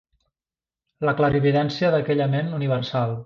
La clarividència d'aquella ment universal.